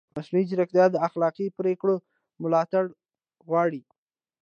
مصنوعي ځیرکتیا د اخلاقي پرېکړو ملاتړ غواړي.